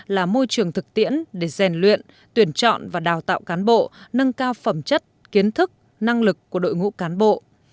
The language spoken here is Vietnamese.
là môi trường thực tiễn để rèn luyện tuyển chọn và đào tạo cán bộ nâng cao phẩm chất kiến thức năng lực của đội ngũ cán bộ